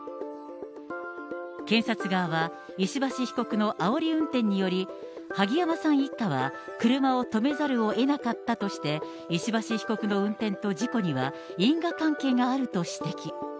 検察側は石橋被告のあおり運転により、萩山さん一家は車を止めざるをえなかったとして、石橋被告の運転と事故には因果関係があると指摘。